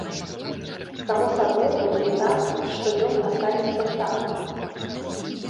Само сабой выйдзе так, што ён астанецца там.